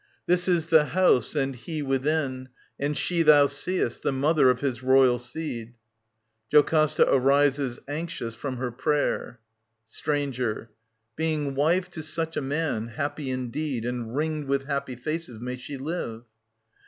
This is the house and he within ; and she Thou seest, the mother of his royal seed. [Jocasta rises^ anxious^ from her prayer. Stranger. Being wife to such a man, happy indeed And ringed with happy faces may she live